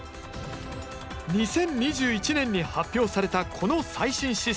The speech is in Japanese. ２０２１年に発表されたこの最新システム。